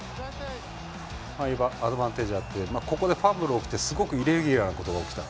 アドバンテージがあってファンブルがあってイレギュラーなことがあった。